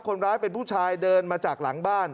คนร้ายเป็นผู้ชายเดินมาจากหลังบ้าน